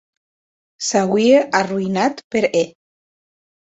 S’auie arroïnat per eth.